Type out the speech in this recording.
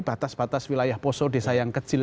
batas batas wilayah poso desa yang kecil